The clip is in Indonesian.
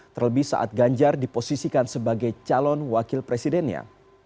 terlebih saat ganjar diposisikan sebagai calon wakil presidennya